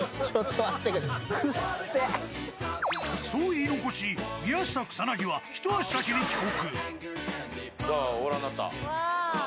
そう言い残し、宮下草薙は一足先に帰国。